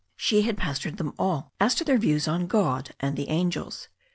She had pestered them all as to their views on God and the angels.